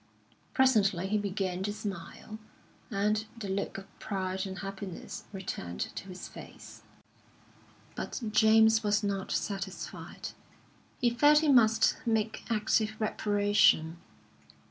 Presently he began to smile, and the look of pride and happiness returned to his face. But James was not satisfied. He felt he must make active reparation.